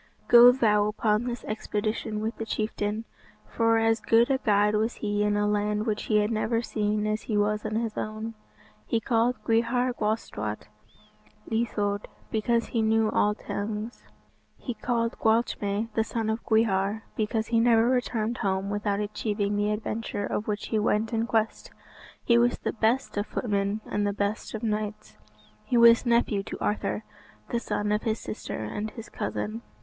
"Go thou upon this expedition with the chieftain." For as good a guide was he in a land which he had never seen as he was in his own. He called Gwrhyr Gwalstawt Ieithoedd, because he knew all tongues. He called Gwalchmai, the son of Gwyar, because he never returned home without achieving the adventure of which he went in quest. He was the best of footmen and the best of knights. He was nephew to Arthur, the son of his sister, and his cousin.